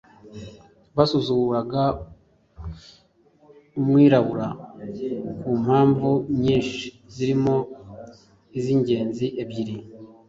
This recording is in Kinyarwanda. Basuzuguraga umwirabura ku mpamvu nyinshi zirimo izingizi ebyiri